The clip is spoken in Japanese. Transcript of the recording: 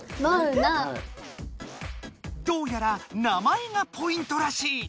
どうやら名前がポイントらしい。